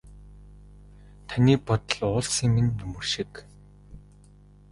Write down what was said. Таны бодол уулсын минь нөмөр шиг.